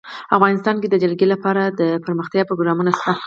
افغانستان کې د جلګه لپاره دپرمختیا پروګرامونه شته.